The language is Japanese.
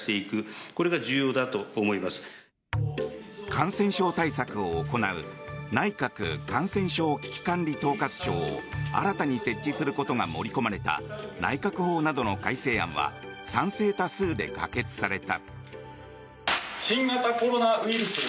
感染症対策を行う内閣感染症危機管理統括庁を新たに設置することが盛り込まれた内閣法などの改正案は賛成多数で可決された。